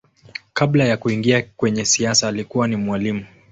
Kabla ya kuingia kwenye siasa alikuwa ni mwalimu.